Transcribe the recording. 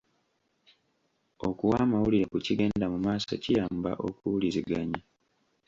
Okuwa amawulire ku kigenda mumaaso kiyamba okuwuliziganya.